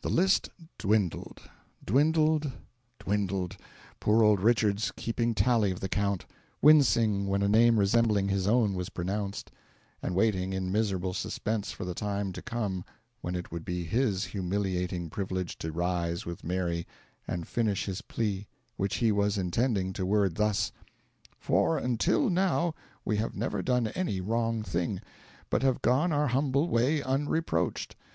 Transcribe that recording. The list dwindled, dwindled, dwindled, poor old Richards keeping tally of the count, wincing when a name resembling his own was pronounced, and waiting in miserable suspense for the time to come when it would be his humiliating privilege to rise with Mary and finish his plea, which he was intending to word thus: "... for until now we have never done any wrong thing, but have gone our humble way unreproached.